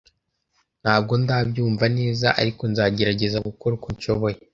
Ntabwo ndabyumva neza, ariko nzagerageza gukora uko nshoboye.